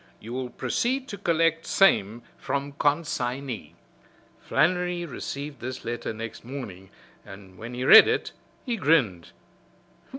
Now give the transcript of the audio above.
You will proceed to collect same from consignee." Flannery received this letter next morning, and when he read it he grinned.